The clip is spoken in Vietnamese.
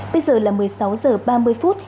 bây giờ là một mươi sáu giờ ba mươi phút